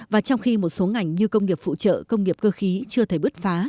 và trong khi một số ngành như công nghiệp phụ trợ công nghiệp cơ khí chưa thể bứt phá